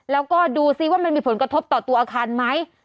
แล้วก็ดูซิว่ามันมีผลกระทบต่อตัวอาคารไหม